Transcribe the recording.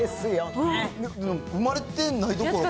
生まれてないどころか。